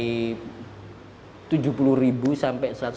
itu sudah berarti